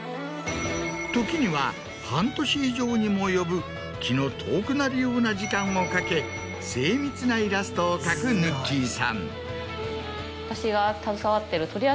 時には半年以上にも及ぶ気の遠くなるような時間をかけ精密なイラストを描くぬっきぃさん。